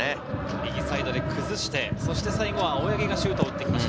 右サイドで崩して、最後は青柳がシュートを打ってきました。